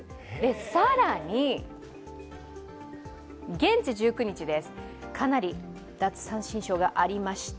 更に現地１９日、かなり奪三振ショーがありました。